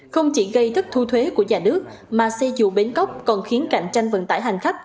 không chỉ gây thất thu thuế của nhà nước mà xe dù bến cóc còn khiến cạnh tranh vận tải hành khách